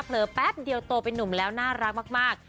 อแป๊บเดียวโตเป็นนุ่มแล้วน่ารักมาก